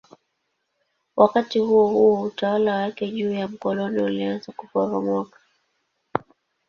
Wakati huohuo utawala wake juu ya makoloni ulianza kuporomoka.